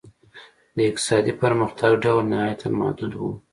د اقتصادي پرمختګ ډول نهایتاً محدود و.